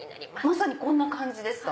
まさにこんな感じですか？